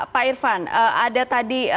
pak irfan ada tadi